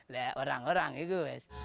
lek orang orang itu